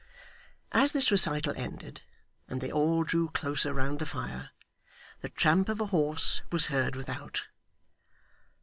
As this recital ended, and they all drew closer round the fire, the tramp of a horse was heard without.